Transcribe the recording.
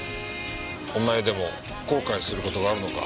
お前でも後悔する事があるのか？